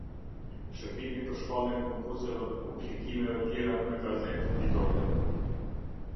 Sherbimi për shpalljen e konkurseve dhe puplikimeve tjera ne gazet ditore